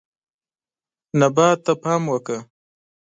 نبات ته پام وکړه.